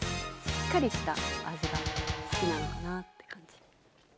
しっかりした味が好きなのかなって感じ。